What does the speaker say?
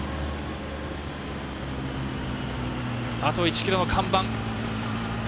あと１ｋｍの看板。